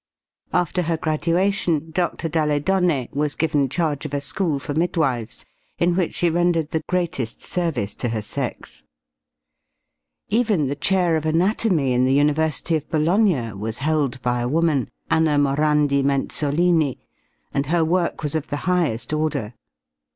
After her graduation Dr. dalle Donne was given charge of a school for midwives in which she rendered the greatest service to her sex. Even the chair of anatomy in the University of Bologna was held by a woman, Anna Morandi Menzolini, and her work was of the highest order.